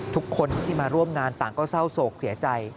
ทุกคนที่มาร่วมงานต่างก็เศร้าโศกเสียใจ